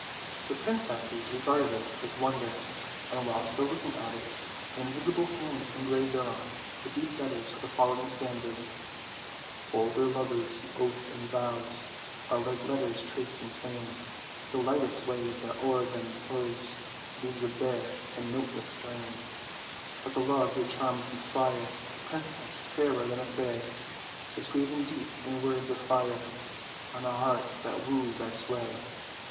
The princesses regarded it with wonder, and, while still looking at it, an invisible hand engraved thereon, in deep letters, the following stanzas: *' Vulgar lovers' oaths and vows Are like letters traced in sand; The lightest wave that o'er tnem flows Leaves a bare and noteless strand: ' But the love your charms inspire, Princess, fairer than a fay, Is graven deep, iu words of h're, Ou a heart that woos thy sway." 46 OLD, OLD FAIRY TALES.